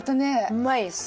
うまいです。